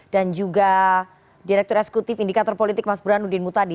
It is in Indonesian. dan juga direktur eksekutif indikator politik mas beranudin mutadi